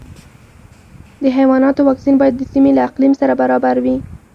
د حیواناتو واکسین باید د سیمې له اقلیم سره برابر وي.